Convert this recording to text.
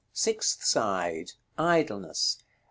Sixth side. Idleness.